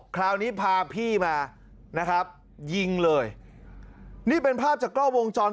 คราวนี้พาพี่มานะครับยิงเลยนี่เป็นภาพจากกล้อวงจร